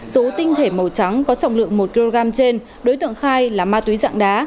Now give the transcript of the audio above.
số tinh thể màu trắng có trọng lượng một kg trên đối tượng khai là ma túy dạng đá